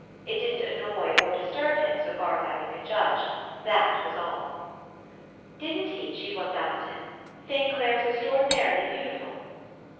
It didn't annoy or disturb him, so far as Irene could judge. That was all. Didn't he, she once asked him, think Clare was extraordinarily beautiful?